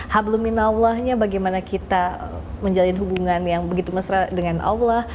habluminallahnya bagaimana kita menjalin hubungan yang begitu mesra dengan allah